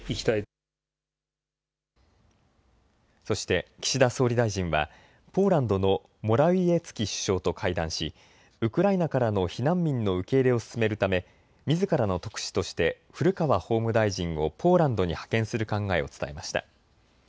そして岸田総理大臣はポーランドのモラウィエツキ首相と会談しウクライナからの避難民の受け入れを進めるためみずからの特使として古川法務大臣をポーランドに派遣する考えを伝えました。